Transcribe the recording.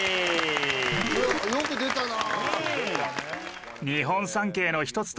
よく出たな。